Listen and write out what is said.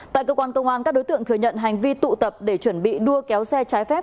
tại cơ quan công an các đối tượng thừa nhận hành vi tụ tập để chuẩn bị đua kéo xe trái phép